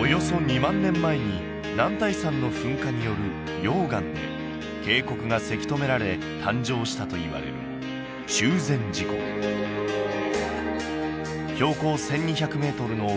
およそ２万年前に男体山の噴火による溶岩で渓谷がせき止められ誕生したといわれる中禅寺湖標高１２００メートルの奥